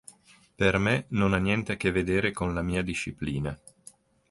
Per me non ha niente a che vedere con la mia disciplina.